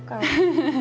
フフフ。